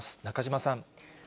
中島さん。